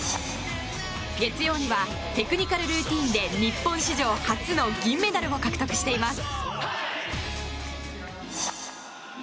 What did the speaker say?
月曜にはテクニカルルーティンで日本史上初の銀メダルを獲得しています。